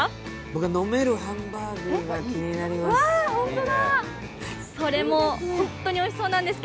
僕は飲めるハンバーグが気になります。